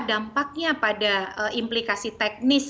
dampaknya pada implikasi teknis